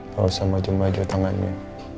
tau sama jembaju tangannya